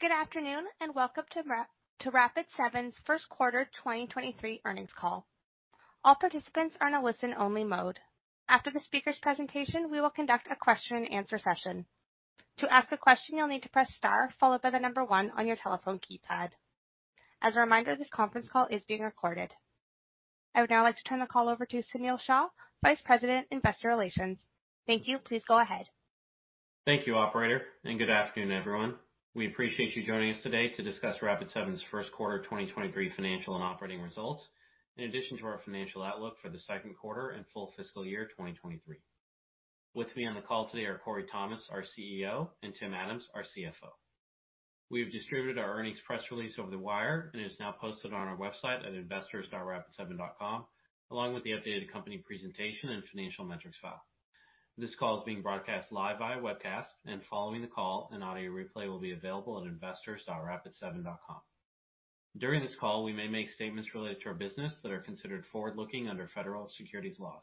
Good afternoon. Welcome to Rapid7's first quarter 2023 earnings call. All participants are in a listen only mode. After the speaker's presentation, we will conduct a question and answer session. To ask a question, you'll need to press star followed by one on your telephone keypad. As a reminder, this conference call is being recorded. I would now like to turn the call over to Sunil Shah, Vice President, Investor Relations. Thank you. Please go ahead. Thank you, Operator, and good afternoon, everyone. We appreciate you joining us today to discuss Rapid7's first quarter 2023 financial and operating results, in addition to our financial outlook for the second quarter and full fiscal year 2023. With me on the call today are Corey Thomas, our CEO, and Tim Adams, our CFO. We have distributed our earnings press release over the wire and is now posted on our website at investors.rapid7.com, along with the updated company presentation and financial metrics file. This call is being broadcast live via webcast, and following the call, an audio replay will be available at investors.rapid7.com. During this call, we may make statements related to our business that are considered forward-looking under federal securities laws.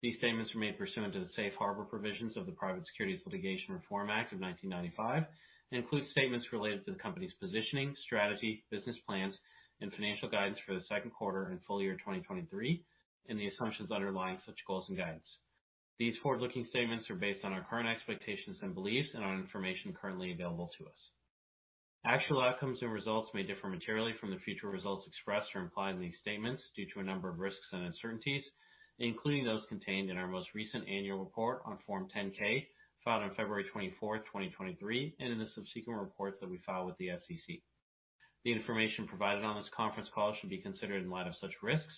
These statements are made pursuant to the safe harbor provisions of the Private Securities Litigation Reform Act of 1995, include statements related to the company's positioning, strategy, business plans, and financial guidance for the second quarter and full year 2023, and the assumptions underlying such goals and guidance. These forward-looking statements are based on our current expectations and beliefs and on information currently available to us. Actual outcomes and results may differ materially from the future results expressed or implied in these statements due to a number of risks and uncertainties, including those contained in our most recent Annual Report on Form 10-K, filed on February 24th, 2023, in the subsequent reports that we file with the SEC. The information provided on this conference call should be considered in light of such risks.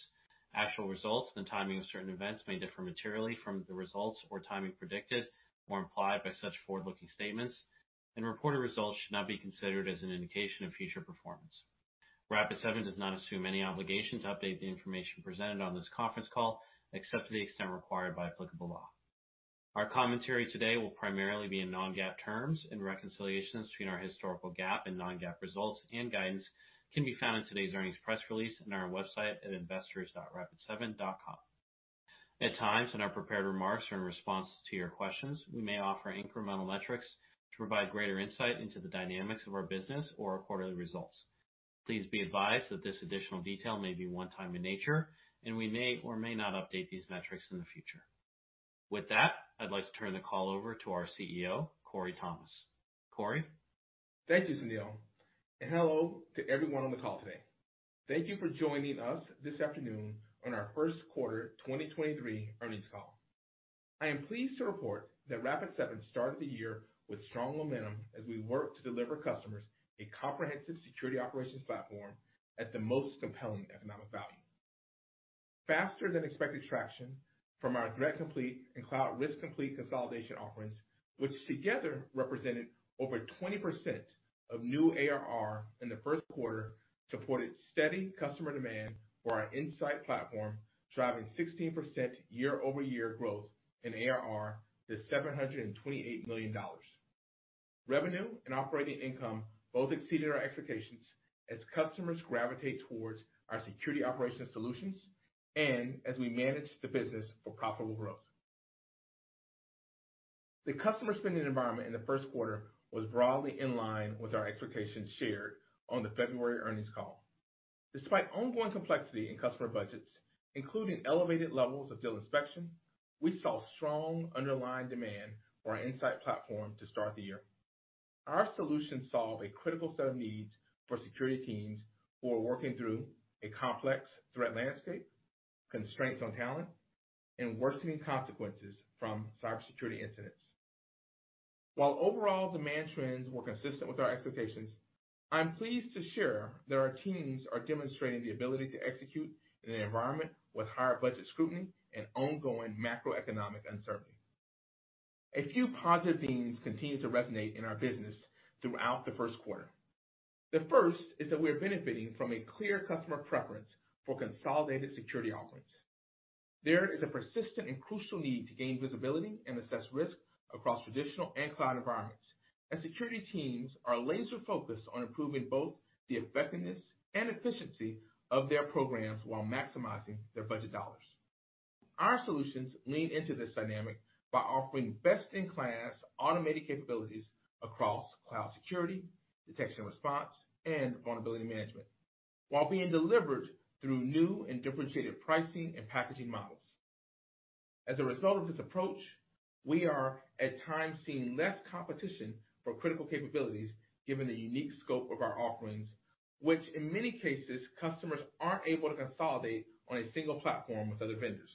Actual results and timing of certain events may differ materially from the results or timing predicted or implied by such forward-looking statements, and reported results should not be considered as an indication of future performance. Rapid7 does not assume any obligation to update the information presented on this conference call, except to the extent required by applicable law. Our commentary today will primarily be in non-GAAP terms and reconciliations between our historical GAAP and non-GAAP results and guidance can be found in today's earnings press release in our website at investors.rapid7.com. At times in our prepared remarks or in response to your questions, we may offer incremental metrics to provide greater insight into the dynamics of our business or our quarterly results. Please be advised that this additional detail may be one-time in nature, and we may or may not update these metrics in the future. With that, I'd like to turn the call over to our CEO, Corey Thomas. Corey? Thank you, Sunil. Hello to everyone on the call today. Thank you for joining us this afternoon on our First Quarter 2023 Earnings all. I am pleased to report that Rapid7 started the year with strong momentum as we work to deliver customers a comprehensive security operations platform at the most compelling economic value. Faster than expected traction from our Threat Complete and Cloud Risk Complete consolidation offerings, which together represented over 20% of new ARR in the first quarter, supported steady customer demand for our Insight Platform, driving 16% year-over-year growth in ARR to $728 million. Revenue and operating income both exceeded our expectations as customers gravitate towards our security operations solutions and as we manage the business for profitable growth. The customer spending environment in the first quarter was broadly in line with our expectations shared on the February earnings call. Despite ongoing complexity in customer budgets, including elevated levels of deal inspection, we saw strong underlying demand for our Insight Platform to start the year. Our solutions solve a critical set of needs for security teams who are working through a complex threat landscape, constraints on talent, and worsening consequences from cybersecurity incidents. While overall demand trends were consistent with our expectations, I'm pleased to share that our teams are demonstrating the ability to execute in an environment with higher budget scrutiny and ongoing macroeconomic uncertainty. A few positive themes continued to resonate in our business throughout the first quarter. The first is that we are benefiting from a clear customer preference for consolidated security offerings. There is a persistent and crucial need to gain visibility and assess risk across traditional and cloud environments. As security teams are laser focused on improving both the effectiveness and efficiency of their programs while maximizing their budget dollars. Our solutions lean into this dynamic by offering best-in-class automated capabilities across cloud security, detection and response, and vulnerability management, while being delivered through new and differentiated pricing and packaging models. As a result of this approach, we are at times seeing less competition for critical capabilities given the unique scope of our offerings, which in many cases customers aren't able to consolidate on a single platform with other vendors.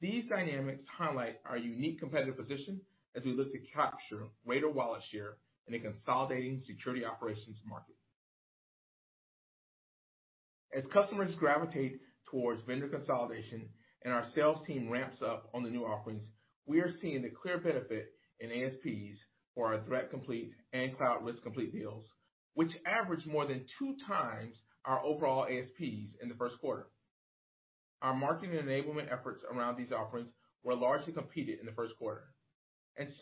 These dynamics highlight our unique competitive position as we look to capture greater wallet share in a consolidating security operations market. As customers gravitate towards vendor consolidation and our sales team ramps up on the new offerings, we are seeing the clear benefit in ASPs for our Threat Complete and Cloud Risk Complete deals, which average more than 2x our overall ASPs in the first quarter. Our marketing and enablement efforts around these offerings were largely competed in the first quarter.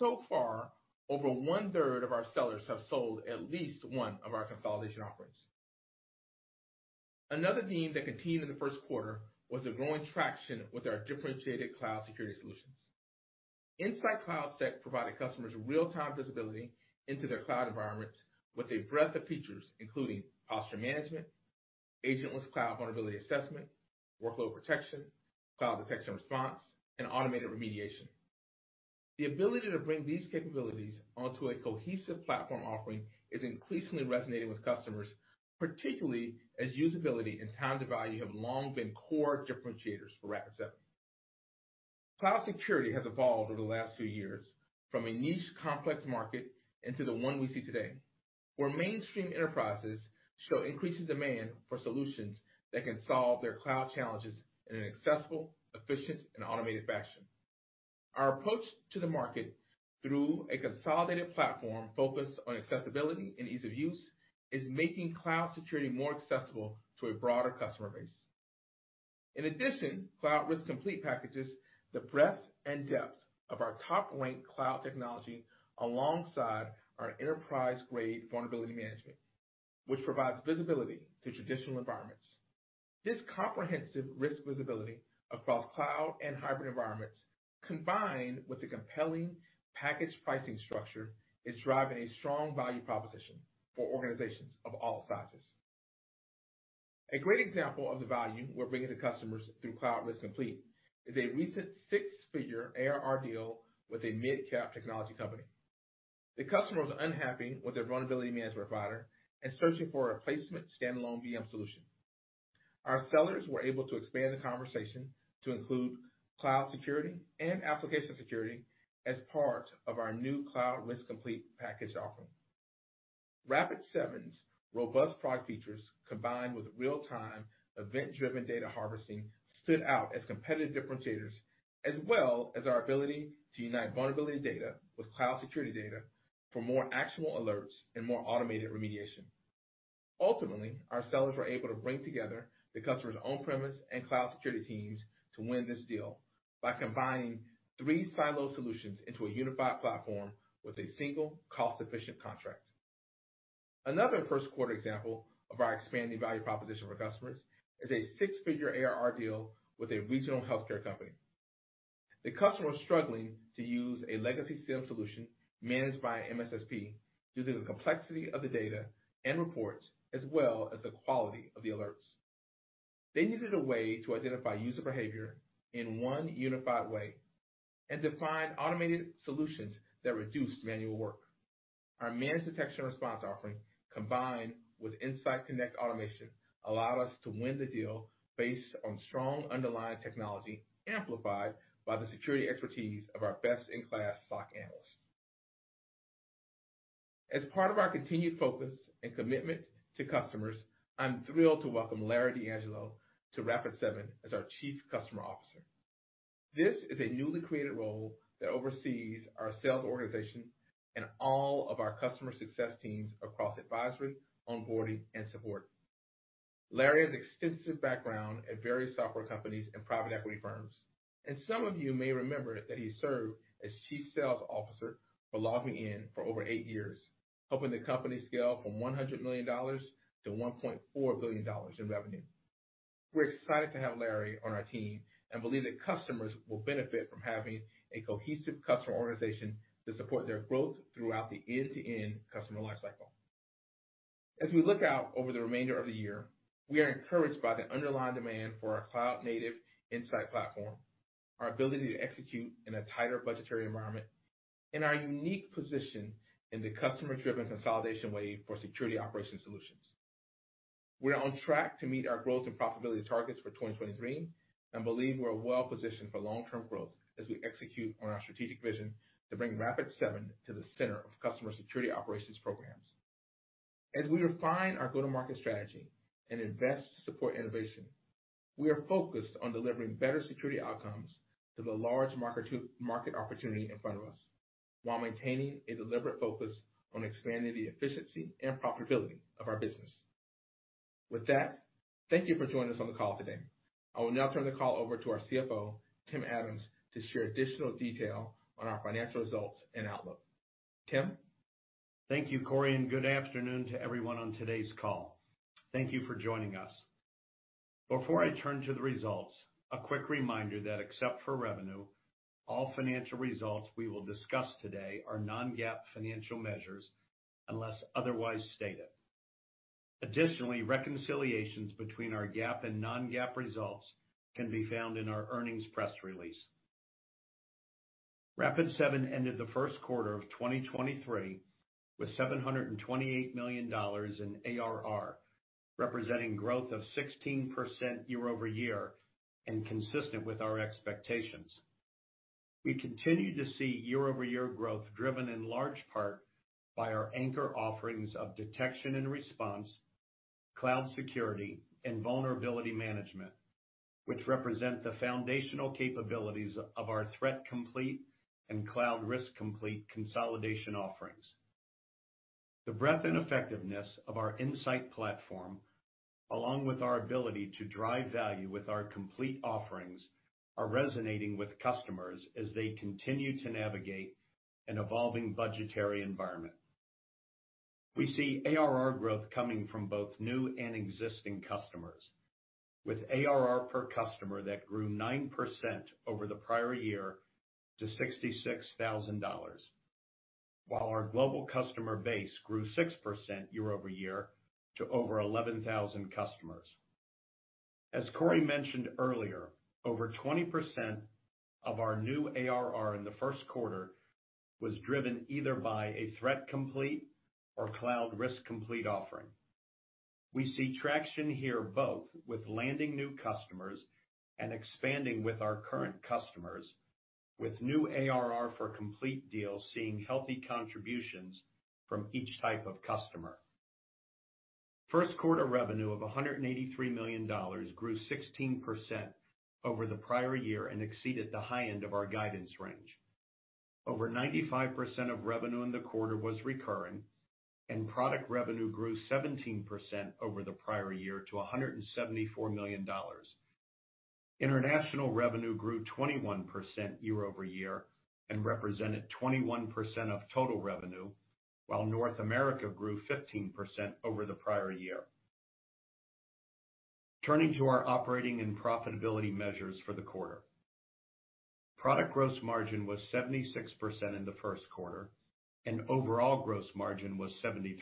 So far, over one-third of our sellers have sold at least one of our consolidation offerings. Another theme that continued in the first quarter was the growing traction with our differentiated cloud security solutions. InsightCloudSec provided customers real-time visibility into their cloud environments with a breadth of features, including posture management, agentless cloud vulnerability assessment, workload protection, cloud detection response, and automated remediation. The ability to bring these capabilities onto a cohesive platform offering is increasingly resonating with customers, particularly as usability and time-to-value have long been core differentiators for Rapid7. Cloud security has evolved over the last few years from a niche, complex market into the one we see today, where mainstream enterprises show increasing demand for solutions that can solve their cloud challenges in an accessible, efficient, and automated fashion. Our approach to the market through a consolidated platform focused on accessibility and ease of use is making cloud security more accessible to a broader customer base. Cloud Risk Complete packages the breadth and depth of our top link cloud technology alongside our enterprise-grade vulnerability management, which provides visibility to traditional environments. This comprehensive risk visibility across cloud and hybrid environments, combined with the compelling package pricing structure, is driving a strong value proposition for organizations of all sizes. A great example of the value we're bringing to customers through Cloud Risk Complete is a recent six-figure ARR deal with a mid-cap technology company. The customer was unhappy with their vulnerability management provider and searching for a replacement standalone VM solution. Our sellers were able to expand the conversation to include cloud security and application security as part of our new Cloud Risk Complete package offering. Rapid7's robust product features, combined with real-time event-driven data harvesting, stood out as competitive differentiators as well as our ability to unite vulnerability data with cloud security data for more actionable alerts and more automated remediation. Ultimately, our sellers were able to bring together the customer's on-premise and cloud security teams to win this deal by combining three silo solutions into a unified platform with a single cost-efficient contract. Another first quarter example of our expanding value proposition for customers is a six-figure ARR deal with a regional healthcare company. The customer was struggling to use a legacy SIEM solution managed by an MSSP due to the complexity of the data and reports as well as the quality of the alerts. They needed a way to identify user behavior in one unified way and define automated solutions that reduced manual work. Our Managed detection response offering, combined with InsightConnect automation, allowed us to win the deal based on strong underlying technology, amplified by the security expertise of our best-in-class SOC analysts. As part of our continued focus and commitment to customers, I'm thrilled to welcome Larry D'Angelo to Rapid7 as our Chief Customer Officer. This is a newly created role that oversees our sales organization and all of our customer success teams across advisory, onboarding, and support. Larry has extensive background at various software companies and private equity firms, Some of you may remember that he served as Chief Sales Officer for LogMeIn for over eight years, helping the company scale from $100 millio-$1.4 billion in revenue. We're excited to have Larry on our team and believe that customers will benefit from having a cohesive customer organization to support their growth throughout the end-to-end customer lifecycle. As we look out over the remainder of the year, we are encouraged by the underlying demand for our cloud-native Insight Platform, our ability to execute in a tighter budgetary environment, and our unique position in the customer-driven consolidation wave for security operations solutions. We are on track to meet our growth and profitability targets for 2023 and believe we're well-positioned for long-term growth as we execute on our strategic vision to bring Rapid7 to the center of customer security operations programs. As we refine our go-to-market strategy and invest to support innovation, we are focused on delivering better security outcomes to the large market opportunity in front of us, while maintaining a deliberate focus on expanding the efficiency and profitability of our business. With that, thank you for joining us on the call today. I will now turn the call over to our CFO, Tim Adams, to share additional detail on our financial results and outlook. Tim? Thank you, Corey, good afternoon to everyone on today's call. Thank you for joining us. Before I turn to the results, a quick reminder that except for revenue, all financial results we will discuss today are non-GAAP financial measures unless otherwise stated. Additionally, reconciliations between our GAAP and non-GAAP results can be found in our earnings press release. Rapid7 ended the first quarter of 2023 with $728 million in ARR, representing growth of 16% year-over-year and consistent with our expectations. We continue to see year-over-year growth driven in large part by our anchor offerings of detection and response, cloud security, and vulnerability management, which represent the foundational capabilities of our Threat Complete and Cloud Risk Complete consolidation offerings. The breadth and effectiveness of our Insight Platform, along with our ability to drive value with our complete offerings, are resonating with customers as they continue to navigate an evolving budgetary environment. We see ARR growth coming from both new and existing customers, with ARR per customer that grew 9% over the prior year to $66,000, while our global customer base grew 6% year-over-year to over 11,000 customers. As Corey mentioned earlier, over 20% of our new ARR in the first quarter was driven either by a Threat Complete or Cloud Risk Complete offering. We see traction here both with landing new customers and expanding with our current customers, with new ARR for Complete deals seeing healthy contributions from each type of customer. First quarter revenue of $183 million grew 16% over the prior year and exceeded the high end of our guidance range. Over 95% of revenue in the quarter was recurring, and product revenue grew 17% over the prior year to $174 million. International revenue grew 21% year-over-year and represented 21% of total revenue, while North America grew 15% over the prior year. Turning to our operating and profitability measures for the quarter. Product gross margin was 76% in the first quarter, and overall gross margin was 73%.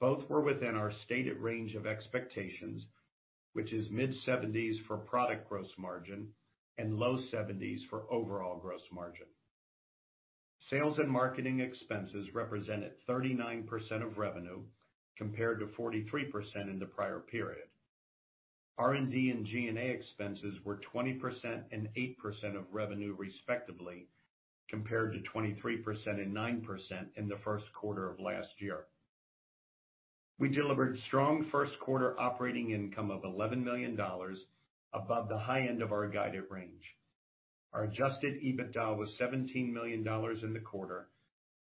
Both were within our stated range of expectations, which is mid-seventies for product gross margin and low seventies for overall gross margin. Sales and marketing expenses represented 39% of revenue, compared to 43% in the prior period. R&D and G&A expenses were 20% and 8% of revenue, respectively, compared to 23% and 9% in the first quarter of last year. We delivered strong first quarter operating income of $11 million above the high end of our guided range. Our adjusted EBITDA was $17 million in the quarter,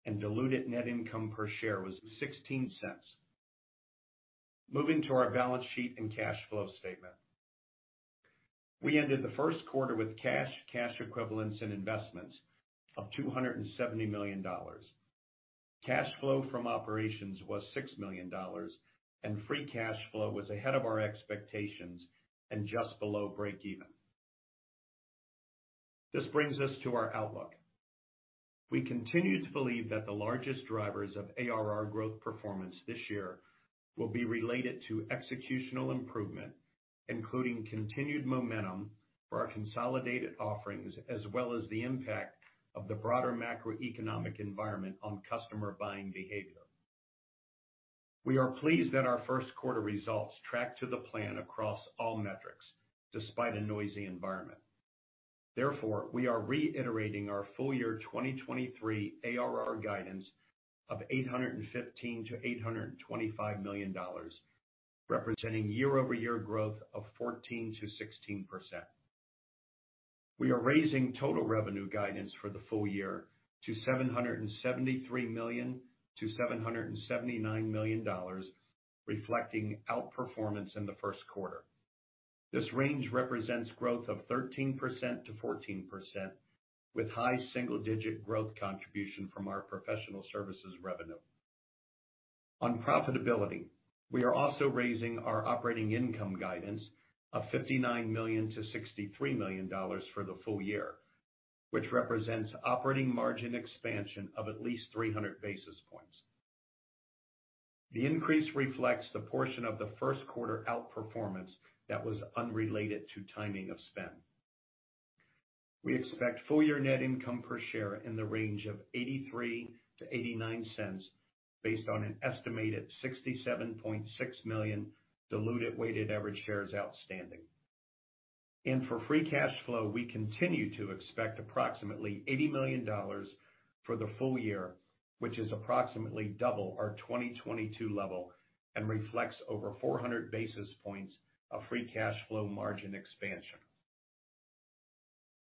and diluted net income per share was $0.16. Moving to our balance sheet and cash flow statement. We ended the first quarter with cash equivalents and investments of $270 million. Cash flow from operations was $6 million and free cash flow was ahead of our expectations and just below breakeven. This brings us to our outlook. We continue to believe that the largest drivers of ARR growth performance this year will be related to executional improvement, including continued momentum for our consolidated offerings, as well as the impact of the broader macroeconomic environment on customer buying behavior. We are pleased that our first quarter results track to the plan across all metrics despite a noisy environment. We are reiterating our full year 2023 ARR guidance of $815 million-$825 million, representing year-over-year growth of 14%-16%. We are raising total revenue guidance for the full year to $773 million-$779 million, reflecting outperformance in the first quarter. This range represents growth of 13%-14%, with high single-digit growth contribution from our professional services revenue. On profitability, we are also raising our operating income guidance of $59 million-$63 million for the full year, which represents operating margin expansion of at least 300 basis points. The increase reflects the portion of the first quarter outperformance that was unrelated to timing of spend. We expect full year net income per share in the range of $0.83-$0.89 based on an estimated 67.6 million diluted weighted average shares outstanding. For free cash flow, we continue to expect approximately $80 million for the full year, which is approximately double our 2022 level and reflects over 400 basis points of free cash flow margin expansion.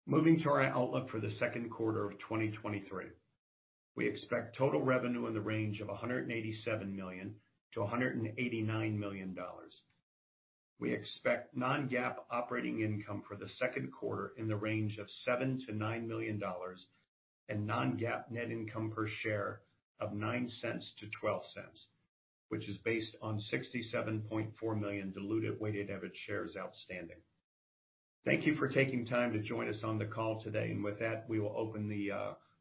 Moving to our outlook for the second quarter of 2023. We expect total revenue in the range of $187 million-$189 million. We expect non-GAAP operating income for the second quarter in the range of $7 million-$9 million and non-GAAP net income per share of $0.09-$0.12, which is based on 67.4 million diluted weighted average shares outstanding. Thank you for taking time to join us on the call today. With that, we will open the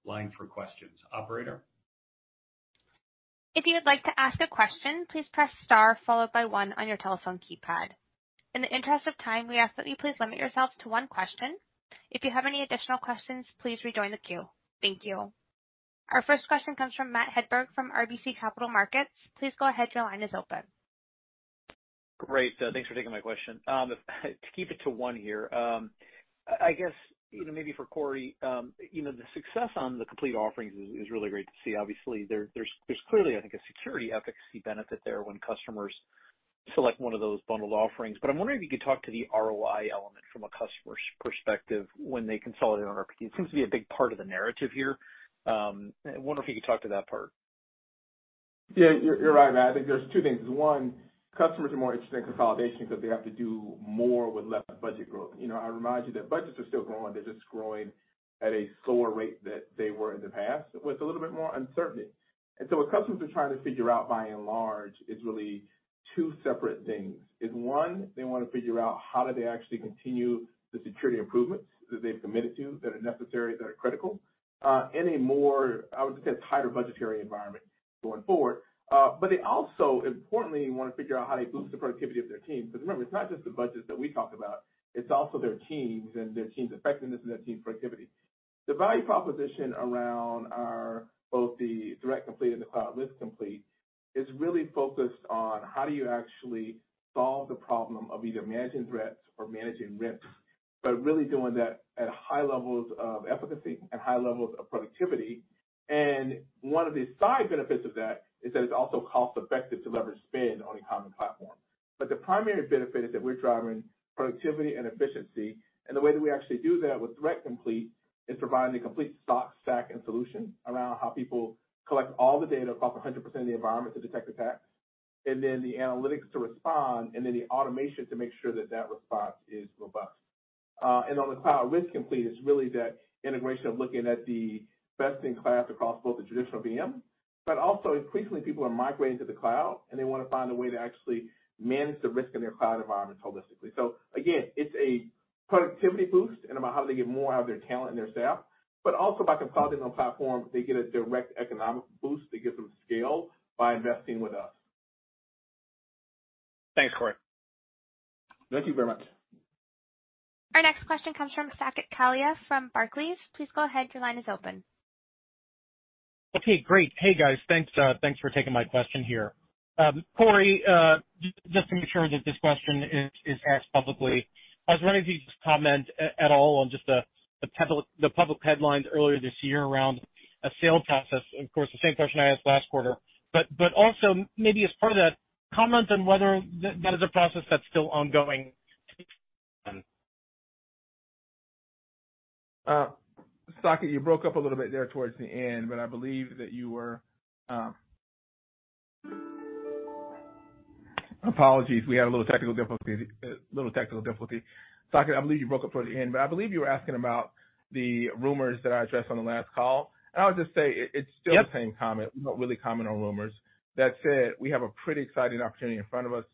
line for questions. Operator? If you would like to ask a question, please press star followed by one on your telephone keypad. In the interest of time, we ask that you please limit yourself to one question. If you have any additional questions, please rejoin the queue. Thank you. Our first question comes from Matt Hedberg from RBC Capital Markets. Please go ahead. Your line is open. Great. Thanks for taking my question. To keep it to one here, I guess maybe for Corey, you know, the success on the Complete offerings is really great to see. Obviously, there's clearly, I think, a security efficacy benefit there when customers select one of those bundled offerings. I'm wondering if you could talk to the ROI element from a customer's perspective when they consolidate on RP. It seems to be a big part of the narrative here. I wonder if you could talk to that part. Yeah, you're right, Matt. I think there's two things. One, customers are more interested in consolidation because they have to do more with less budget growth. You know, I remind you that budgets are still growing. They're just growing at a slower rate that they were in the past, with a little bit more uncertainty. What customers are trying to figure out by and large is really two separate things, is one, they wanna figure out how do they actually continue the security improvements that they've committed to that are necessary, that are critical, in a more, I would say, tighter budgetary environment going forward. They also importantly wanna figure out how they boost the productivity of their team. Remember, it's not just the budgets that we talked about, it's also their teams and their team's effectiveness and their team's productivity. The value proposition around our both the Threat Complete and the Cloud Risk Complete is really focused on how do you actually solve the problem of either managing threats or managing risks, but really doing that at high levels of efficacy and high levels of productivity. One of the side benefits of that is that it's also cost effective to leverage spend on a common platform. The primary benefit is that we're driving productivity and efficiency. The way that we actually do that with Threat Complete is providing the complete stack, and solution around how people collect all the data across 100% of the environment to detect attacks, then the analytics to respond, and then the automation to make sure that that response is robust. On the Cloud Risk Complete, it's really that integration of looking at the best in class across both the traditional VM, but also increasingly people are migrating to the cloud, and they wanna find a way to actually manage the risk in their cloud environments holistically. Again, it's a productivity boost and about how they get more out of their talent and their staff, but also by consolidating on platform, they get a direct economic boost that gives them scale by investing with us. Thanks, Corey. Thank you very much. Our next question comes from Saket Kalia from Barclays. Please go ahead. Your line is open. Okay, great. Hey, guys. Thanks, thanks for taking my question here. Corey, just to make sure that this question is asked publicly, I was wondering if you could just comment at all on just the public headlines earlier this year around a sales process. Of course, the same question I asked last quarter, but also maybe as part of that, comment on whether that is a process that's still ongoing. Apologies, we had a little technical difficulty. Saket, I believe you broke up toward the end, but I believe you were asking about the rumors that I addressed on the last call. I would just say it's still the same comment. We don't really comment on rumors. That said, we have a pretty exciting opportunity in front of us.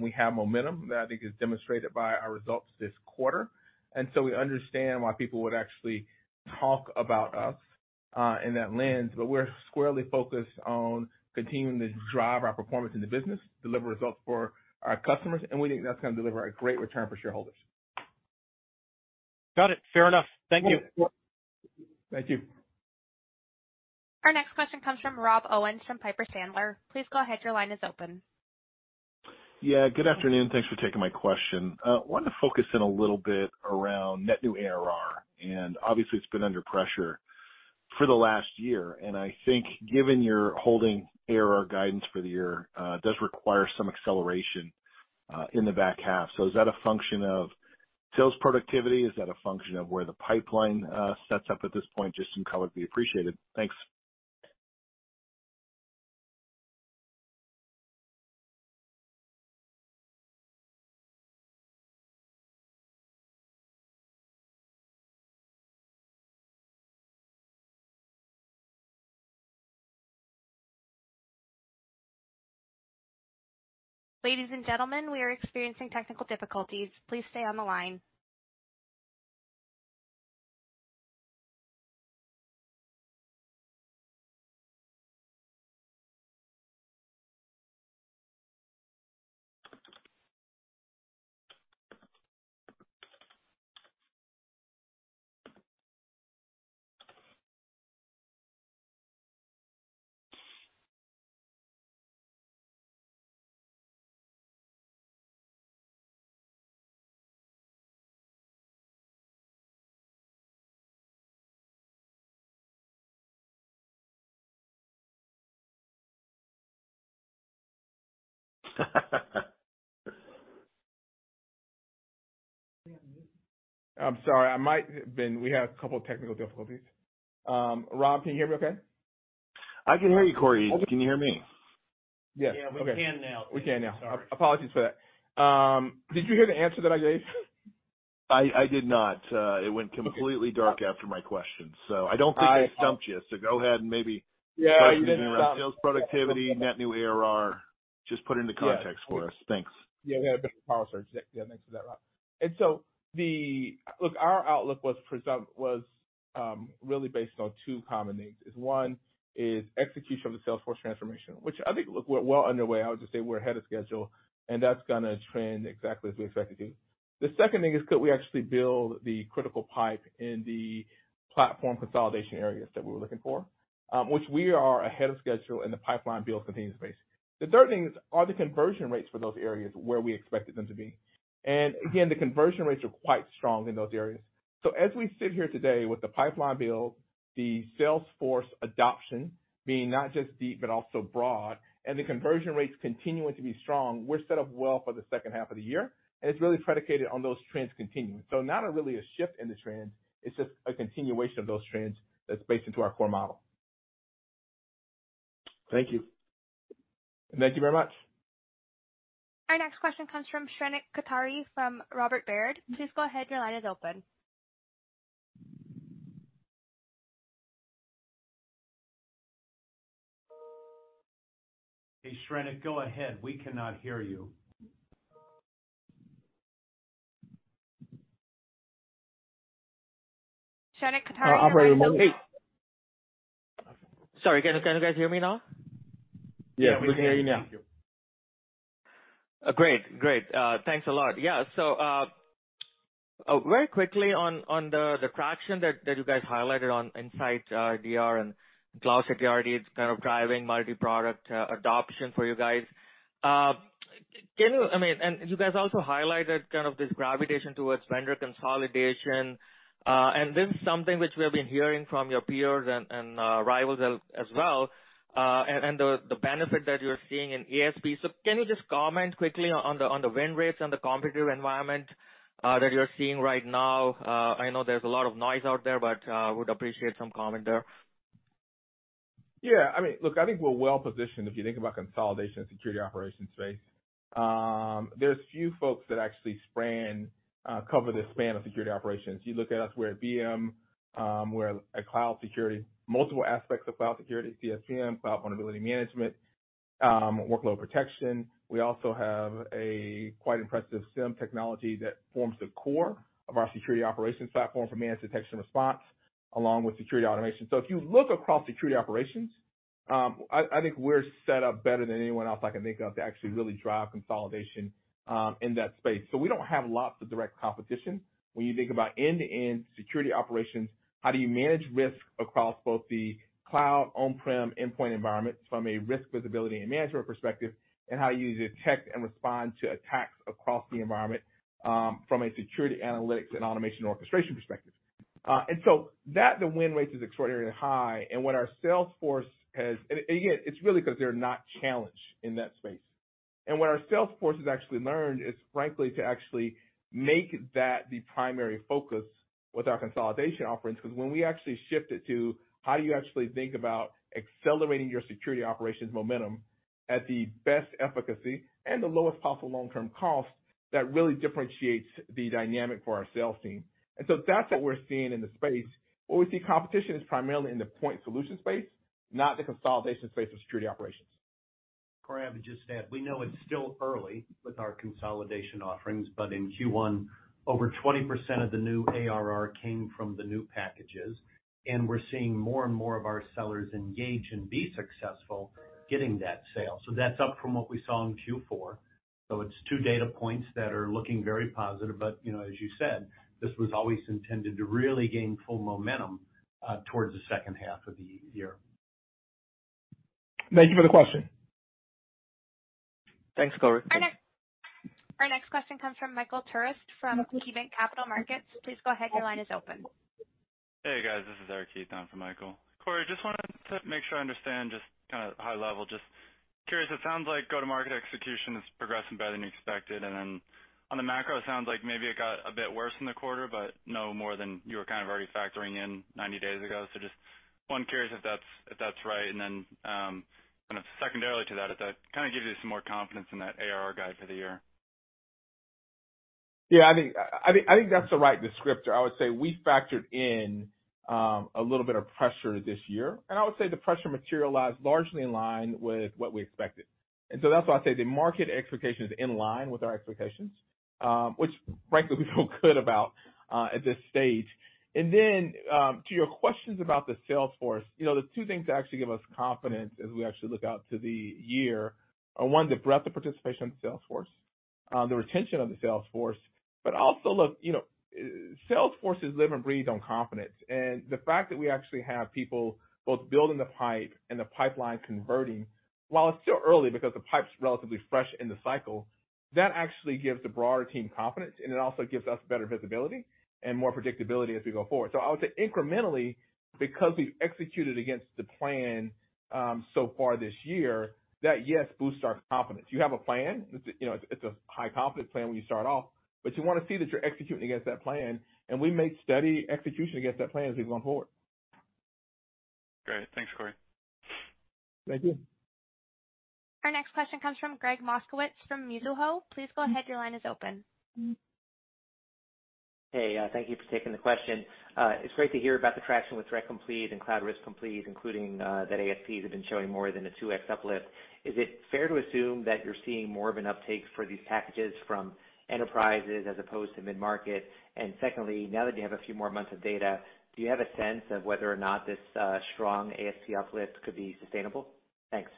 We have momentum that I think is demonstrated by our results this quarter, and so we understand why people would actually talk about us in that lens, but we're squarely focused on continuing to drive our performance in the business, deliver results for our customers, and we think that's gonna deliver a great return for shareholders. Got it. Fair enough. Thank you. Thank you. Our next question comes from Rob Owens from Piper Sandler. Please go ahead. Your line is open. Yeah, good afternoon. Thanks for taking my question. wanted to focus in a little bit around net new ARR, obviously it's been under pressure for the last year. I think given your holding ARR guidance for the year, does require some acceleration, in the back half. Is that a function of sales productivity? Is that a function of where the pipeline, sets up at this point? Just some color would be appreciated. Thanks. Ladies and gentlemen, we are experiencing technical difficulties. Please stay on the line. I'm sorry. We had a couple of technical difficulties. Rob, can you hear me okay? I can hear you, Corey. Can you hear me? Yes. Yeah, we can now. We can now. Apologies for that. Did you hear the answer that I gave? I did not. It went completely dark after my question, so I don't think I stumped you. Go ahead and. Yeah. You didn't stump me. Sales productivity, net new ARR, just put it into context for us. Thanks. Yeah, we had a bit of a power surge. Yeah. Thanks for that, Rob. Look, our outlook was really based on two common themes, is one is execution of the sales force transformation, which I think look, we're well underway. I would just say we're ahead of schedule, and that's gonna trend exactly as we expected to. The second thing is, could we actually build the critical pipe in the platform consolidation areas that we're looking for? Which we are ahead of schedule and the pipeline build continues pace. The third thing is, are the conversion rates for those areas where we expected them to be? The conversion rates are quite strong in those areas. As we sit here today with the pipeline build, the sales force adoption being not just deep but also broad, and the conversion rates continuing to be strong, we're set up well for the second half of the year, and it's really predicated on those trends continuing. Not a really a shift in the trend, it's just a continuation of those trends that's based into our core model. Thank you. Thank you very much. Our next question comes from Shrenik Kothari from Robert W. Baird. Please go ahead. Your line is open. Hey, Shrenik, go ahead. We cannot hear you. Shrenik Kothari, your line is open now. Operator. Hey. Sorry, can you guys hear me now? Yeah, we can hear you now. Yeah, we can hear you. Thank you. Great. Thanks a lot. So, very quickly on the traction that you guys highlighted on InsightIDR and Cloud Risk Complete, it's kind of driving multi-product adoption for you guys. I mean, and you guys also highlighted kind of this gravitation towards vendor consolidation. This is something which we have been hearing from your peers and rivals as well, and the benefit that you're seeing in ASP. So can you just comment quickly on the win rates and the competitive environment that you're seeing right now? I know there's a lot of noise out there, but would appreciate some comment there. Yeah, I mean, look, I think we're well-positioned if you think about consolidation in security operations space. There's few folks that actually span, cover the span of security operations. You look at us, we're a VM, multiple aspects of cloud security, CSPM, cloud vulnerability management, workload protection. We also have a quite impressive SIEM technology that forms the core of our security operations platform for managed detection response, along with security automation. If you look across security operations, I think we're set up better than anyone else I can think of to actually really drive consolidation in that space. We don't have lots of direct competition. When you think about end-to-end security operations, how do you manage risk across both the cloud, on-prem, endpoint environments from a risk visibility and management perspective, and how you detect and respond to attacks across the environment, from a security analytics and automation orchestration perspective. The win rates is extraordinarily high. Again, it's really 'cause they're not challenged in that space. What our sales force has actually learned is frankly to actually make that the primary focus with our consolidation offerings. 'Cause when we actually shift it to how do you actually think about accelerating your security operations momentum at the best efficacy and the lowest possible long-term cost, that really differentiates the dynamic for our sales team. That's what we're seeing in the space. What we see competition is primarily in the point solution space, not the consolidation space of security operations. Corey, I would just add, we know it's still early with our consolidation offerings. In Q1, over 20% of the new ARR came from the new packages, and we're seeing more and more of our sellers engage and be successful getting that sale. That's up from what we saw in Q4. It's two data points that are looking very positive. You know, as you said, this was always intended to really gain full momentum towards the second half of the year. Thank you for the question. Thanks, Corey. Our next question comes from Michael Turits from KeyBanc Capital Markets. Please go ahead. Your line is open. Hey, guys, this is Eric Heath from Michael Turits. Just wanted to make sure I understand just kind of high level. Just curious, it sounds like go-to-market execution is progressing better than you expected. On the macro, it sounds like maybe it got a bit worse in the quarter, but no more than you were kind of already factoring in 90 days ago. Just one, curious if that's right. Then, kind of secondarily to that, if that kind of gives you some more confidence in that ARR guide for the year? Yeah, I think that's the right descriptor. I would say we factored in a little bit of pressure this year, and I would say the pressure materialized largely in line with what we expected. So that's why I say the market expectation is in line with our expectations, which frankly we feel good about at this stage. Then, to your questions about the sales force, you know, the two things that actually give us confidence as we actually look out to the year are, one, the breadth of participation of the sales force, the retention of the sales force. Also look, you know, sales forces live and breathe on confidence. The fact that we actually have people both building the pipe and the pipeline converting, while it's still early because the pipe's relatively fresh in the cycle, that actually gives the broader team confidence, and it also gives us better visibility and more predictability as we go forward. I would say incrementally, because we've executed against the plan so far this year, that yes, boosts our confidence. You have a plan, it's a, you know, it's a high confidence plan when you start off, but you wanna see that you're executing against that plan, and we make steady execution against that plan as we go forward. Great. Thanks, Corey. Thank you. Our next question comes from Gregg Moskowitz from Mizuho. Please go ahead. Your line is open. Thank you for taking the question. It's great to hear about the traction with Threat Complete and Cloud Risk Complete, including that ASPs have been showing more than a 2x uplift. Is it fair to assume that you're seeing more of an uptake for these packages from enterprises as opposed to mid-market? Secondly, now that you have a few more months of data, do you have a sense of whether or not this strong ASP uplift could be sustainable? Thanks.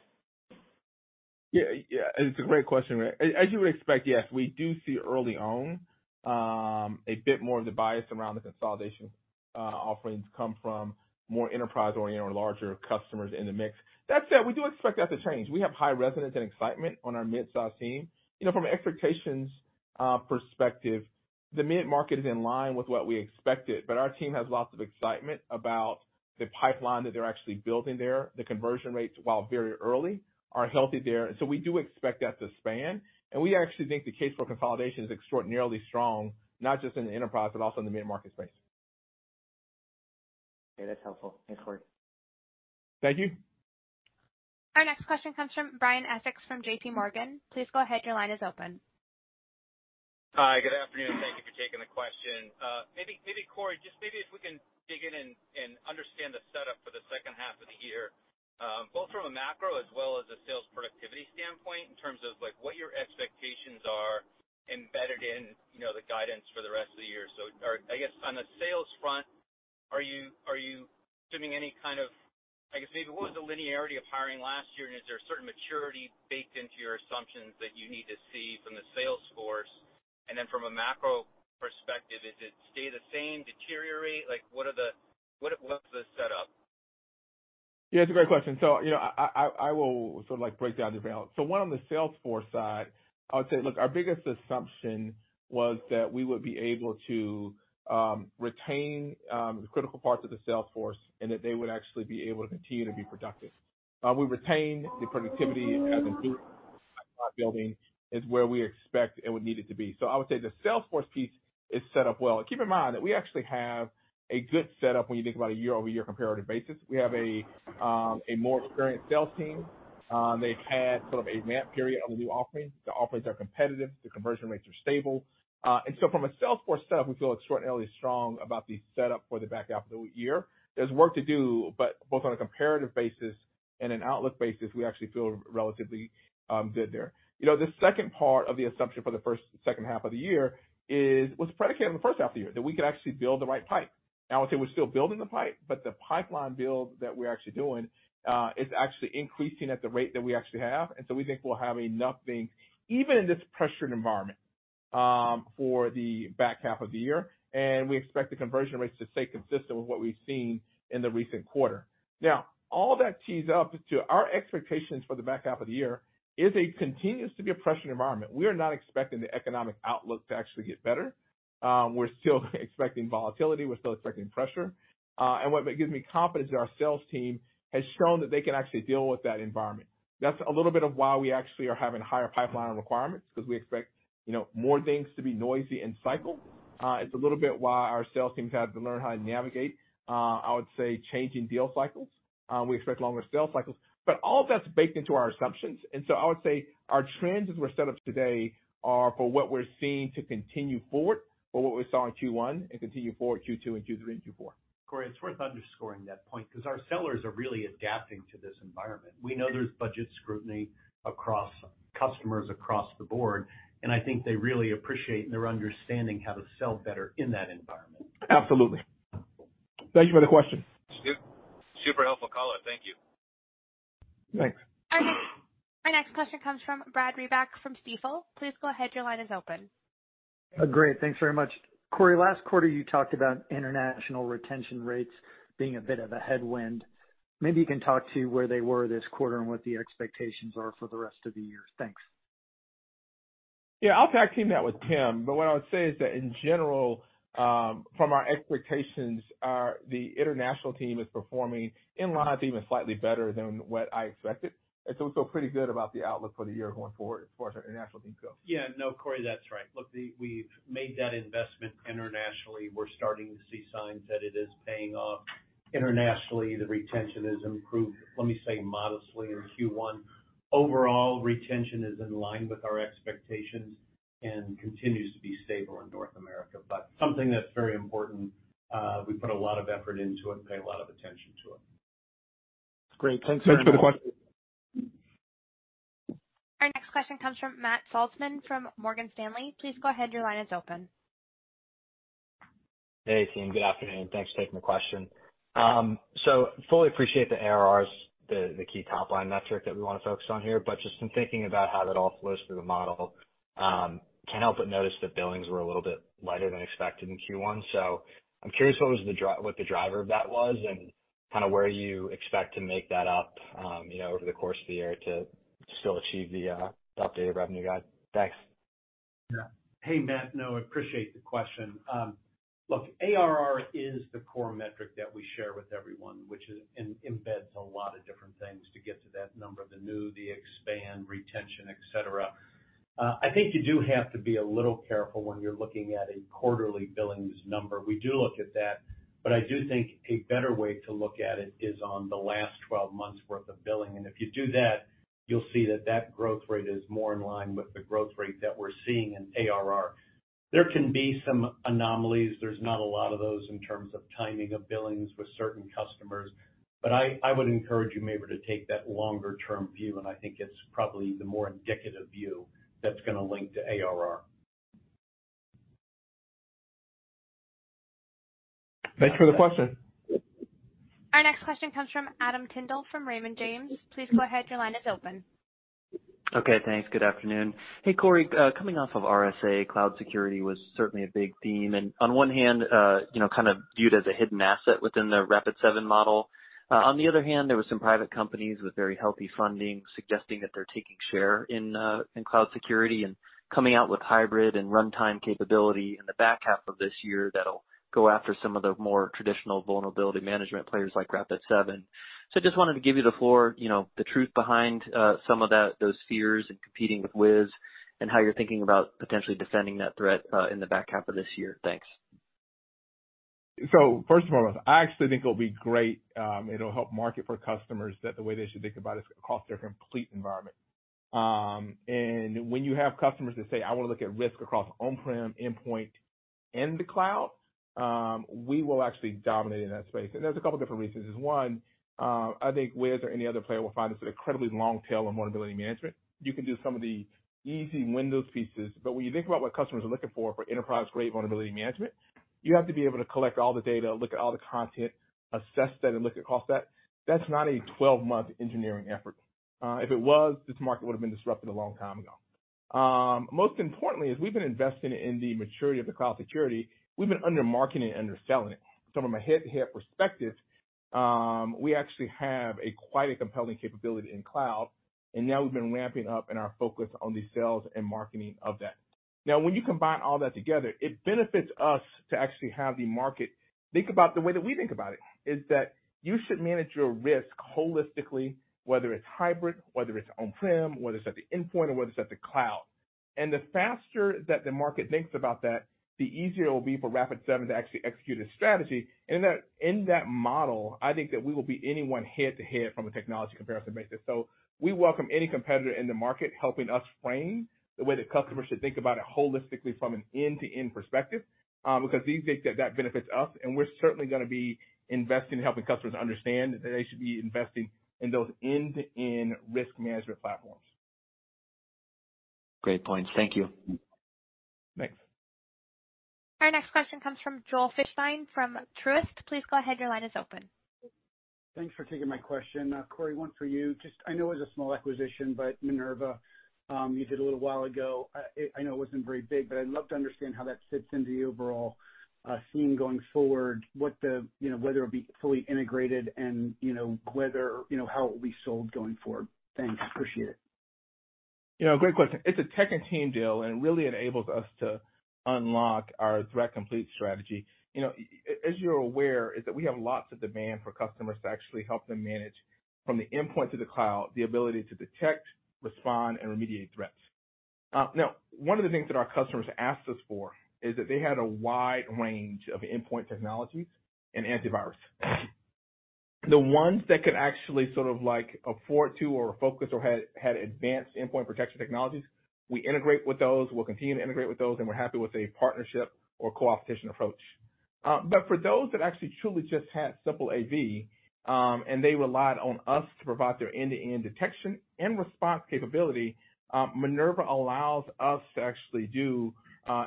Yeah. Yeah, it's a great question. As you would expect, yes, we do see early on, a bit more of the bias around the consolidation offerings come from more enterprise-oriented or larger customers in the mix. That said, we do expect that to change. We have high resonance and excitement on our mid-size team. You know, from an expectations perspective, the mid-market is in line with what we expected, but our team has lots of excitement about the pipeline that they're actually building there. The conversion rates, while very early, are healthy there. We do expect that to span. We actually think the case for consolidation is extraordinarily strong, not just in the enterprise but also in the mid-market space. Okay, that's helpful. Thanks, Corey. Thank you. Our next question comes from Brian Essex from JPMorgan. Please go ahead. Your line is open. Hi, good afternoon. Thank you for taking the question. maybe Corey, just maybe if we can dig in and understand the setup for the second half of the year, both from a macro as well as a sales productivity standpoint in terms of like what your expectations are embedded in, you know, the guidance for the rest of the year. I guess on the sales front, are you assuming any kind of, I guess, maybe what was the linearity of hiring last year? And is there a certain maturity baked into your assumptions that you need to see from the sales force? And then from a macro perspective, is it stay the same, deteriorate? Like what's the setup? Yeah, it's a great question. You know, I will sort of like break down the balance. One, on the Salesforce side, I would say, look, our biggest assumption was that we would be able to retain the critical parts of the sales force and that they would actually be able to continue to be productive. We retained the productivity as improved Pipeline building is where we expect it would need it to be. I would say the Salesforce piece is set up well. Keep in mind that we actually have a good setup when you think about a year-over-year comparative basis. We have a more experienced sales team. They've had sort of a ramp period of the new offerings. The offerings are competitive, the conversion rates are stable. From a Salesforce setup, we feel extraordinarily strong about the setup for the back half of the year. There's work to do, but both on a comparative basis and an outlook basis, we actually feel relatively good there. You know, the second part of the assumption for the second half of the year was predicated on the first half of the year, that we could actually build the right pipe. I would say we're still building the pipe, but the pipeline build that we're actually doing is actually increasing at the rate that we actually have. We think we'll have enough things even in this pressured environment for the back half of the year, and we expect the conversion rates to stay consistent with what we've seen in the recent quarter. Now, all that tees up to our expectations for the back half of the year is continues to be a pressured environment. We are not expecting the economic outlook to actually get better. We're still expecting volatility, we're still expecting pressure. What gives me confidence is our sales team has shown that they can actually deal with that environment. That's a little bit of why we actually are having higher pipeline requirements, because we expect, you know, more things to be noisy in cycle. It's a little bit why our sales teams have to learn how to navigate, I would say, changing deal cycles. We expect longer sales cycles, but all that's baked into our assumptions. I would say our trends as we're set up today are for what we're seeing to continue forward for what we saw in Q1 and continue forward Q2 into Q3 into Q4. Corey, it's worth underscoring that point because our sellers are really adapting to this environment. We know there's budget scrutiny across customers across the board, I think they really appreciate and they're understanding how to sell better in that environment. Absolutely. Thank you for the question. Super helpful call. Thank you. Thanks. Our next question comes from Brad Reback from Stifel. Please go ahead. Your line is open. Great. Thanks very much. Corey, last quarter you talked about international retention rates being a bit of a headwind. Maybe you can talk to where they were this quarter and what the expectations are for the rest of the year. Thanks. Yeah, I'll tag team that with Tim. What I would say is that in general, from our expectations are the international team is performing in line, if even slightly better than what I expected. I feel so pretty good about the outlook for the year going forward as far as our international team goes. Yeah. No, Corey, that's right. Look, we've made that investment internationally. We're starting to see signs that it is paying off. Internationally, the retention is improved, let me say modestly in Q1. Overall, retention is in line with our expectations and continues to be stable in North America. Something that's very important, we put a lot of effort into it and pay a lot of attention to it. Great. Thanks very much. Thanks for the question. Our next question comes from Matt Saltzman from Morgan Stanley. Please go ahead. Your line is open. Hey, team. Good afternoon. Thanks for taking the question. Fully appreciate the ARRs, the key top line metric that we want to focus on here. Just in thinking about how that all flows through the model, can't help but notice that billings were a little bit lighter than expected in Q1. I'm curious what the driver of that was and kind of where you expect to make that up, you know, over the course of the year to still achieve the updated revenue guide. Thanks. Yeah. Hey, Matt. No, I appreciate the question. look, ARR is the core metric that we share with everyone, which embeds a lot of different things to get to that number, the new, the expand, retention, et cetera. I think you do have to be a little careful when you're looking at a quarterly billings number. We do look at that, but I do think a better way to look at it is on the last 12 months worth of billing. If you do that, you'll see that growth rate is more in line with the growth rate that we're seeing in ARR. There can be some anomalies. There's not a lot of those in terms of timing of billings with certain customers. I would encourage you maybe to take that longer term view, and I think it's probably the more indicative view that's gonna link to ARR. Thanks for the question. Our next question comes from Adam Tindle from Raymond James. Please go ahead. Your line is open. Okay, thanks. Good afternoon. Hey, Corey. Coming off of RSA, cloud security was certainly a big theme. On one hand, you know, kind of viewed as a hidden asset within the Rapid7 model. On the other hand, there were some private companies with very healthy funding suggesting that they're taking share in cloud security and coming out with hybrid and runtime capability in the back half of this year that'll go after some of the more traditional vulnerability management players like Rapid7. I just wanted to give you the floor, you know, the truth behind some of those fears and competing with Wiz and how you're thinking about potentially defending that threat in the back half of this year. Thanks. First of all, I actually think it'll be great. It'll help market for customers that the way they should think about this across their complete environment. When you have customers that say, "I wanna look at risk across on-prem, endpoint, and the cloud," we will actually dominate in that space. There's a couple different reasons. Is one, I think Wiz or any other player will find this an incredibly long tail on vulnerability management. You can do some of the easy Windows pieces, when you think about what customers are looking for enterprise-grade vulnerability management, you have to be able to collect all the data, look at all the content, assess that, and look at cost that. That's not a 12-month engineering effort. If it was, this market would've been disrupted a long time ago. Most importantly is we've been investing in the maturity of the cloud security. We've been under-marketing it, under-selling it. From a head-to-head perspective, we actually have a quite a compelling capability in cloud, and now we've been ramping up in our focus on the sales and marketing of that. When you combine all that together, it benefits us to actually have the market think about the way that we think about it. Is that you should manage your risk holistically, whether it's hybrid, whether it's on-prem, whether it's at the endpoint, or whether it's at the cloud. The faster that the market thinks about that, the easier it will be for Rapid7 to actually execute a strategy. In that, in that model, I think that we will be anyone head-to-head from a technology comparison basis. We welcome any competitor in the market helping us frame the way that customers should think about it holistically from an end-to-end perspective, because we think that that benefits us, and we're certainly gonna be investing in helping customers understand that they should be investing in those end-to-end risk management platforms. Great points. Thank you. Thanks. Our next question comes from Joel Fishbein from Truist. Please go ahead. Your line is open. Thanks for taking my question. Corey, one for you. Just I know it was a small acquisition, but Minerva, you did a little while ago. I know it wasn't very big, but I'd love to understand how that fits into the overall scene going forward, what the, you know, whether it'll be fully integrated and, you know, whether, you know, how it will be sold going forward. Thanks. Appreciate it. You know, great question. It's a tech and team deal, and it really enables us to unlock our Threat Complete strategy. You know, as you're aware, is that we have lots of demand for customers to actually help them manage from the endpoint to the cloud, the ability to detect, respond, and remediate threats. Now, one of the things that our customers asked us for is that they had a wide range of endpoint technologies and antivirus. The ones that could actually sort of like afford to or focus or had advanced endpoint protection technologies, we integrate with those. We'll continue to integrate with those, and we're happy with a partnership or co-opetition approach. For those that actually truly just had simple AV, and they relied on us to provide their end-to-end detection and response capability, Minerva allows us to actually do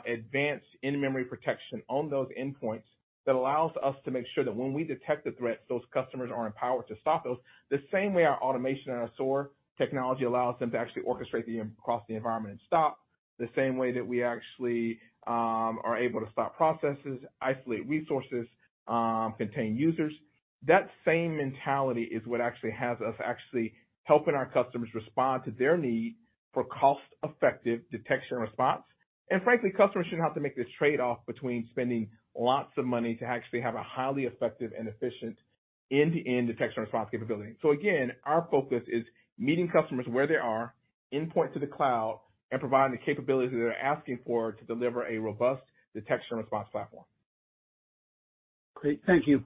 advanced in-memory protection on those endpoints that allows us to make sure that when we detect a threat, those customers are empowered to stop those, the same way our automation and our SOAR technology allows them to actually orchestrate the across the environment and stop, the same way that we actually are able to stop processes, isolate resources, contain users. That same mentality is what actually has us actually helping our customers respond to their need for cost-effective detection response. Frankly, customers shouldn't have to make this trade-off between spending lots of money to actually have a highly effective and efficient end-to-end detection response capability. Again, our focus is meeting customers where they are, endpoint to the cloud, and providing the capabilities they're asking for to deliver a robust detection response platform. Great. Thank you.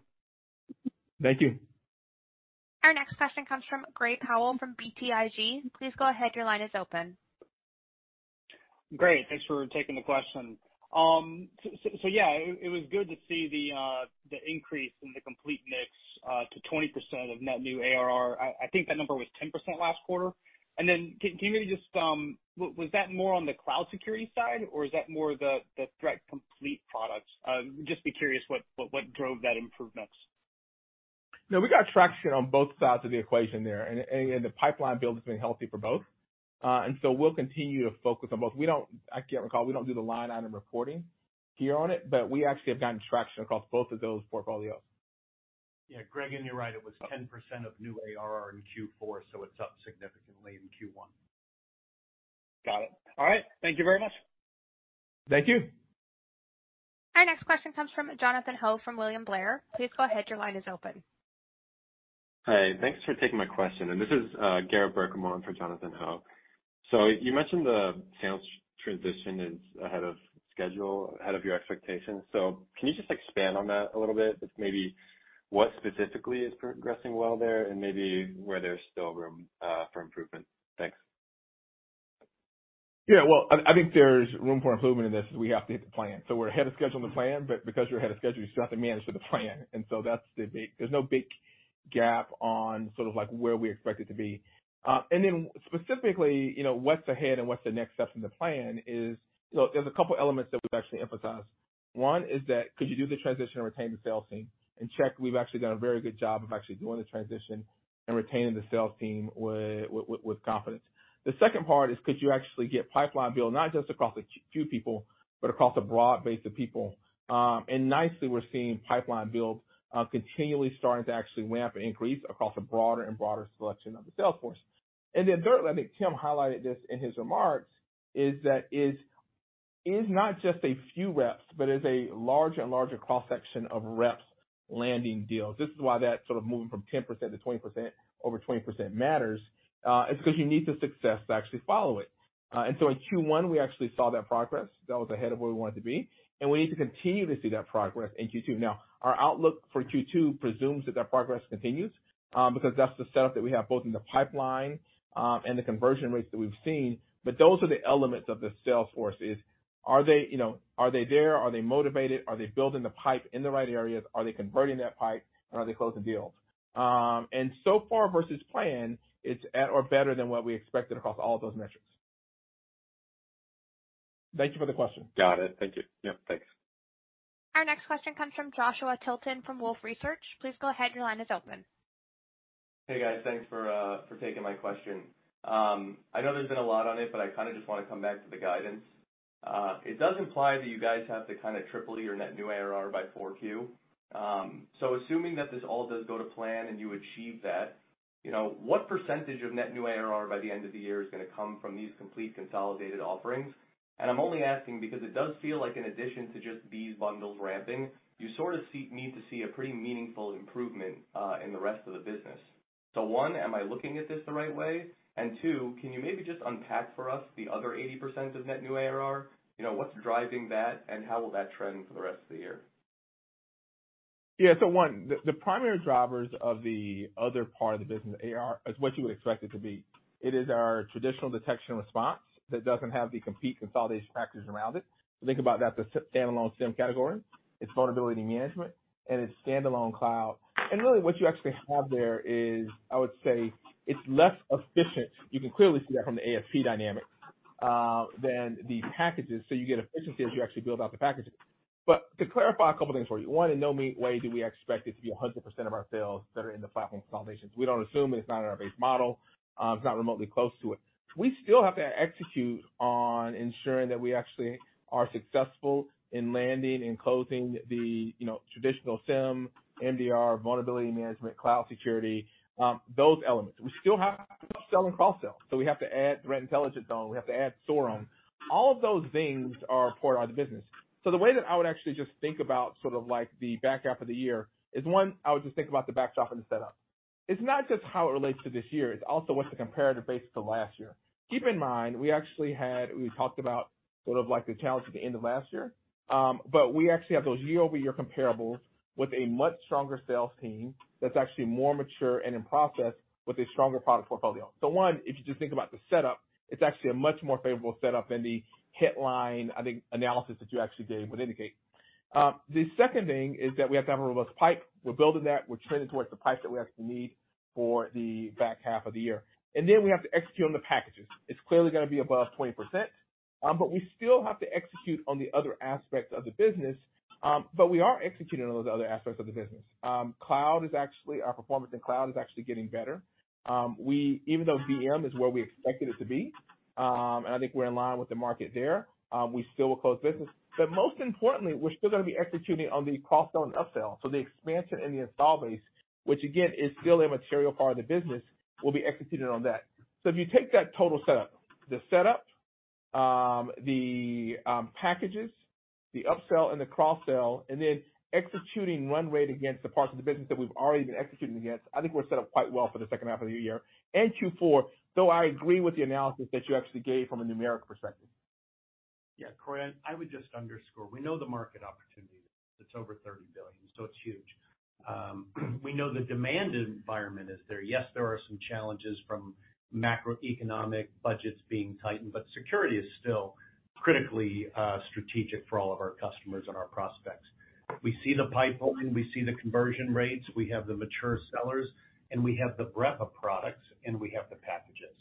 Thank you. Our next question comes from Gray Powell from BTIG. Please go ahead. Your line is open. Great. Thanks for taking the question. Yeah, it was good to see the increase in the Complete mix to 20% of net new ARR. I think that number was 10% last quarter. Can you maybe just was that more on the cloud security side, or is that more the Threat Complete products? Just be curious what drove that improvement. No, we got traction on both sides of the equation there. The pipeline build has been healthy for both. So we'll continue to focus on both. We don't, I can't recall, we don't do the line item reporting here on it, but we actually have gotten traction across both of those portfolios. Yeah. Greg, you're right, it was 10% of new ARR in Q4, so it's up significantly in Q1. Got it. All right. Thank you very much. Thank you. Our next question comes from Jonathan Ho from William Blair. Please go ahead. Your line is open. Hi. Thanks for taking my question. This is Garrett Burkam for Jonathan Ho. You mentioned the sales transition is ahead of schedule, ahead of your expectations. Can you just expand on that a little bit, just maybe what specifically is progressing well there and maybe where there's still room for improvement? Thanks. Well, I think there's room for improvement in this is we have to hit the plan. We're ahead of schedule on the plan, because you're ahead of schedule, you still have to manage to the plan. That's. There's no big gap on sort of like where we expect it to be. Specifically, you know, what's ahead and what's the next step in the plan is. You know, there's a couple elements that we've actually emphasized. One is that could you do the transition and retain the sales team? Check, we've actually done a very good job of actually doing the transition and retaining the sales team with confidence. The second part is could you actually get pipeline build not just across a few people, but across a broad base of people? Nicely, we're seeing pipeline build continually starting to actually ramp and increase across a broader and broader selection of the sales force. Third, I think Tim highlighted this in his remarks, it is not just a few reps, but is a larger and larger cross-section of reps landing deals. This is why that sort of moving from 10% to 20%, over 20% matters, is because you need the success to actually follow it. In Q1, we actually saw that progress. That was ahead of where we wanted to be, and we need to continue to see that progress in Q2. Our outlook for Q2 presumes that that progress continues, because that's the setup that we have both in the pipeline and the conversion rates that we've seen. Those are the elements of the sales force is are they, you know, are they there? Are they motivated? Are they building the pipe in the right areas? Are they converting that pipe? Are they closing deals? So far versus plan, it's at or better than what we expected across all of those metrics. Thank you for the question. Got it. Thank you. Yep, thanks. Our next question comes from Joshua Tilton from Wolfe Research. Please go ahead. Your line is open. Hey, guys. Thanks for for taking my question. I know there's been a lot on it, but I kinda just wanna come back to the guidance. It does imply that you guys have to kinda triple your net new ARR by 4Q. Assuming that this all does go to plan and you achieve that, you know, what percentage of net new ARR by the end of the year is gonna come from these complete consolidated offerings? I'm only asking because it does feel like in addition to just these bundles ramping, you need to see a pretty meaningful improvement in the rest of the business. One, am I looking at this the right way? Two, can you maybe just unpack for us the other 80% of net new ARR? You know, what's driving that, and how will that trend for the rest of the year? One, the primary drivers of the other part of the business, AR, is what you would expect it to be. It is our traditional detection response that doesn't have the complete consolidation packages around it. Think about that's a standalone SIEM category. It's vulnerability management, it's standalone cloud. Really what you actually have there is, I would say, it's less efficient. You can clearly see that from the ASP dynamic than the packages, you get efficiency as you actually build out the packages. To clarify a couple things for you. One, in no way do we expect it to be 100% of our sales that are in the platform consolidations. We don't assume it. It's not in our base model. It's not remotely close to it. We still have to execute on ensuring that we actually are successful in landing and closing the, you know, traditional SIEM, MDR, vulnerability management, cloud security, those elements. We still have to sell and cross-sell. We have to add threat intelligence on them. We have to add SOAR on them. All of those things are part of the business. The way that I would actually just think about sort of like the back half of the year is, one, I would just think about the backdrop and the setup. It's not just how it relates to this year, it's also what's the comparative base to last year. Keep in mind, we actually talked about sort of like the challenge at the end of last year, but we actually have those year-over-year comparables with a much stronger sales team that's actually more mature and in process with a stronger product portfolio. One, if you just think about the setup, it's actually a much more favorable setup than the headline, I think, analysis that you actually did would indicate. The second thing is that we have to have a robust pipe. We're building that. We're trending towards the pipe that we actually need for the back half of the year. We have to execute on the packages. It's clearly gonna be above 20%, but we still have to execute on the other aspects of the business, but we are executing on those other aspects of the business. Cloud is actually our performance in cloud is actually getting better. Even though VM is where we expect it to be, and I think we're in line with the market there, we still will close business. Most importantly, we're still gonna be executing on the cross-sell and upsell. The expansion in the install base, which again is still a material part of the business, will be executed on that. If you take that total setup, the setup, the packages, the upsell and the cross-sell, and then executing run rate against the parts of the business that we've already been executing against, I think we're set up quite well for the second half of the year and Q4, though I agree with the analysis that you actually gave from a numeric perspective. Corey, I would just underscore, we know the market opportunity. It's over $30 billion, so it's huge. We know the demand environment is there. Yes, there are some challenges from macroeconomic budgets being tightened, but security is still critically strategic for all of our customers and our prospects. We see the pipe opening, we see the conversion rates, we have the mature sellers, and we have the breadth of products, and we have the packages.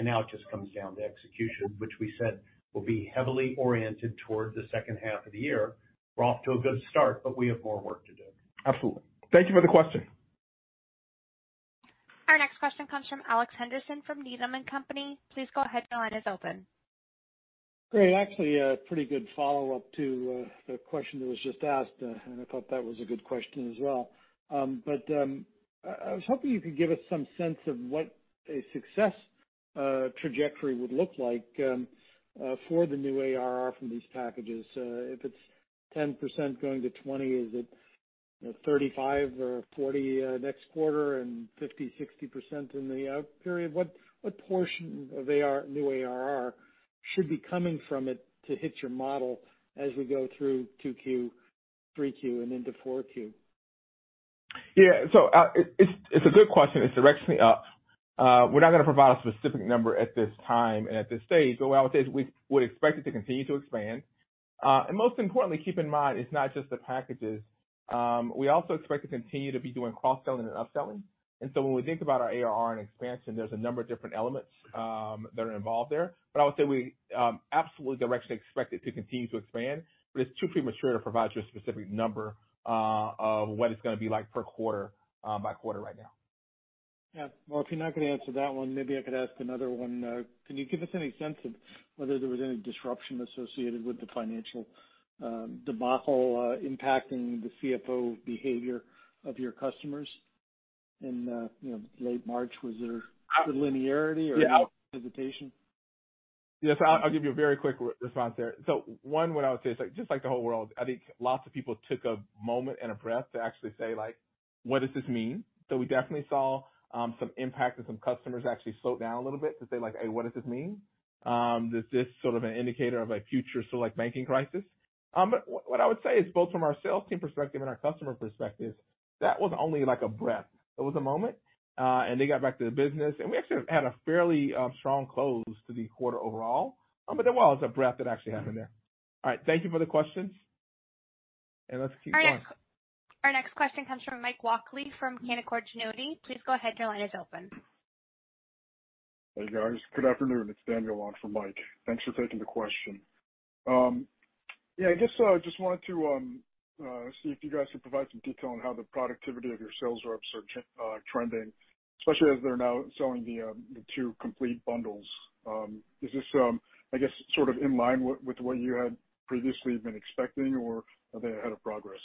Now it just comes down to execution, which we said will be heavily oriented towards the second half of the year. We're off to a good start, but we have more work to do. Absolutely. Thank you for the question. Our next question comes from Alex Henderson from Needham & Company. Please go ahead. Your line is open. Great. Actually, a pretty good follow-up to the question that was just asked, and I thought that was a good question as well. I was hoping you could give us some sense of what a success trajectory would look like for the new ARR from these packages. If it's 10% going to 20%, is it, you know, 35% or 40% next quarter and 50%, 60% in the out period? What portion of new ARR should be coming from it to hit your model as we go through 2Q, 3Q and into 4Q? It's a good question. It's directionally up. We're not gonna provide a specific number at this time and at this stage. What I would say is we would expect it to continue to expand. Most importantly, keep in mind, it's not just the packages. We also expect to continue to be doing cross-selling and upselling. When we think about our ARR and expansion, there's a number of different elements that are involved there. I would say we absolutely directionally expect it to continue to expand, but it's too premature to provide you a specific number of what it's gonna be like per quarter by quarter right now. Yeah. Well, if you're not gonna answer that one, maybe I could ask another one. Can you give us any sense of whether there was any disruption associated with the financial debacle impacting the CFO behavior of your customers in, you know, late March? Was there good linearity or hesitation? Yes, I'll give you a very quick re-response there. One, what I would say is like, just like the whole world, I think lots of people took a moment and a breath to actually say, like, "What does this mean?" We definitely saw some impact and some customers actually slow down a little bit to say, like, "Hey, what does this mean? Is this sort of an indicator of a future select banking crisis?" What I would say is both from our sales team perspective and our customer perspective, that was only like a breath. It was a moment, and they got back to the business, and we actually had a fairly strong close to the quarter overall, but there was a breath that actually happened there. All right. Thank you for the questions, and let's keep going. Our next question comes from Mike Walkley from Canaccord Genuity. Please go ahead. Your line is open. Hey, guys. Good afternoon. It's Daniel on for Mike. Thanks for taking the question. Yeah, I guess I just wanted to see if you guys could provide some detail on how the productivity of your sales reps are trending, especially as they're now selling the two complete bundles. Is this, I guess, sort of in line with what you had previously been expecting or are they ahead of progress?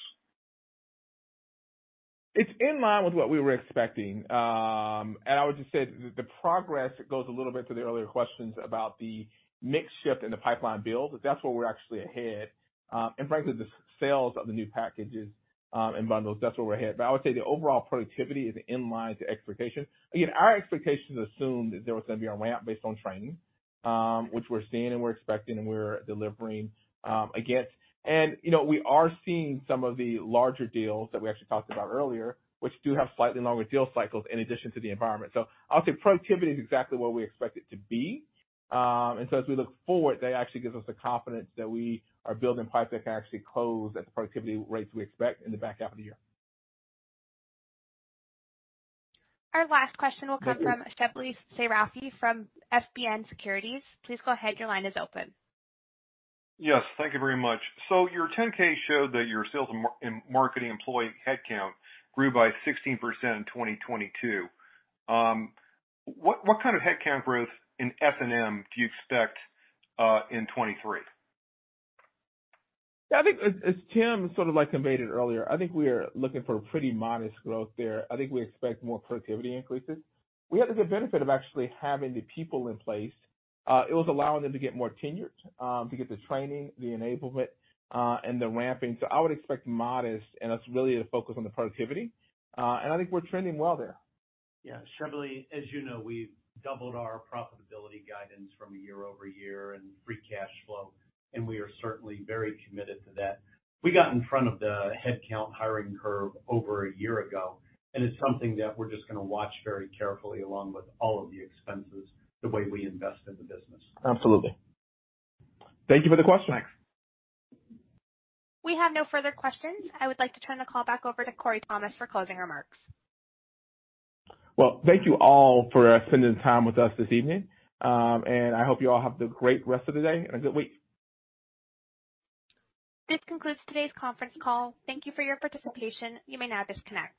It's in line with what we were expecting. I would just say the progress goes a little bit to the earlier questions about the mix shift in the pipeline build. That's where we're actually ahead. Frankly, the sales of the new packages and bundles, that's where we're ahead. I would say the overall productivity is in line to expectation. Again, our expectations assumed that there was gonna be a ramp based on training, which we're seeing and we're expecting and we're delivering against. You know, we are seeing some of the larger deals that we actually talked about earlier, which do have slightly longer deal cycles in addition to the environment. I would say productivity is exactly where we expect it to be. As we look forward, that actually gives us the confidence that we are building pipes that can actually close at the productivity rates we expect in the back half of the year. Our last question will come from Shebly Seyrafi from FBN Securities. Please go ahead. Your line is open. Yes. Thank you very much. Your 10-K showed that your sales and marketing employee headcount grew by 16% in 2022. What kind of headcount growth in S&M do you expect in 2023? Yeah. I think as Tim sort of like conveyed earlier, I think we are looking for a pretty modest growth there. I think we expect more productivity increases. We have the benefit of actually having the people in place. It was allowing them to get more tenured, to get the training, the enablement, and the ramping. I would expect modest, and that's really the focus on the productivity. I think we're trending well there. Yeah. Shebly, as you know, we've doubled our profitability guidance from a year-over-year and free cash flow, and we are certainly very committed to that. We got in front of the headcount hiring curve over a year ago, and it's something that we're just gonna watch very carefully along with all of the expenses, the way we invest in the business. Absolutely. Thank you for the question. Thanks. We have no further questions. I would like to turn the call back over to Corey Thomas for closing remarks. Well, thank you all for spending time with us this evening. I hope you all have a great rest of the day and a good week. This concludes today's conference call. Thank you for your participation. You may now disconnect.